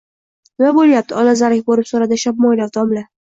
Nima boʻlyapti? – olazarak boʻlib soʻradi shopmoʻylov domla.